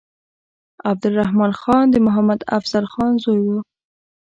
عبدالرحمن خان د محمد افضل خان زوی وو.